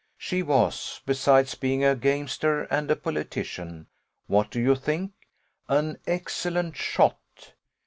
She was, besides being a gamester and a politician what do you think? an excellent shot!